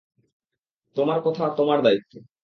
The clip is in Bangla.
তোমার কথা তোমার দায়িত্ব।